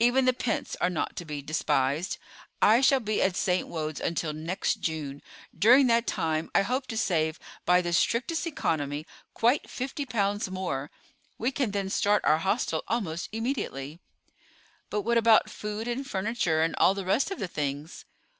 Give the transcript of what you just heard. "Even the pence are not to be despised. I shall be at St. Wode's until next June. During that time I hope to save, by the strictest economy, quite fifty pounds more. We can then start our hostel almost immediately." "But what about food and furniture and all the rest of the things?"